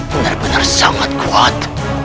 benar benar sangat kuat